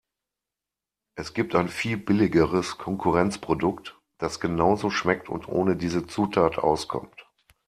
Es gibt ein viel billigeres Konkurrenzprodukt, das genauso schmeckt und ohne diese Zutat auskommt.